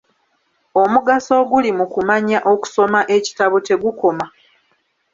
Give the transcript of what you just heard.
Omugaso oguli mu kumanya okusoma ekitabo tegukoma.